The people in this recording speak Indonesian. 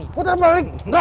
itu udahilling gitu